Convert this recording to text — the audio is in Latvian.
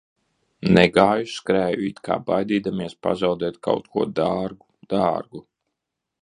Negāju, skrēju it kā baidīdamies pazaudēt kaut ko dārgu, dārgu.